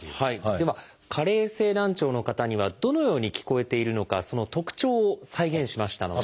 では加齢性難聴の方にはどのように聞こえているのかその特徴を再現しましたので。